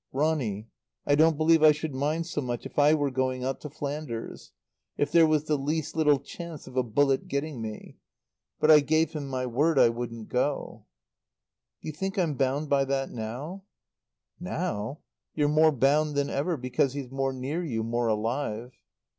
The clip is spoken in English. "Ronny, I don't believe I should mind so much if I were going out to Flanders if there was the least little chance of a bullet getting me. But I gave him my word I wouldn't go. "Do you think I'm bound by that now?" "Now? You're more bound than ever, because he's more near you, more alive."